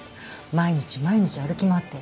毎日毎日歩き回って。